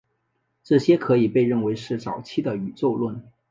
这些可以被认为是早期的宇宙论。